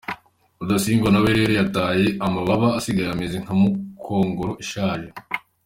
Rudasingwa nawe rero yataye amababa asigaye ameze nka mukongoro ishaje !